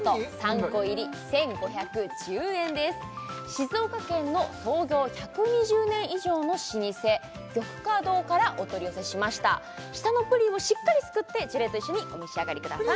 静岡県の創業１２０年以上の老舗玉華堂からお取り寄せしました下のプリンをしっかりすくってジュレと一緒にお召し上がりください